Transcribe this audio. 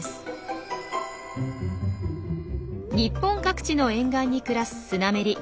日本各地の沿岸に暮らすスナメリ。